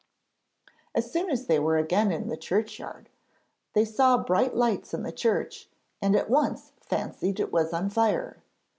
As soon as they were again in the churchyard path, they saw bright lights in the church and at once fancied it was on fire.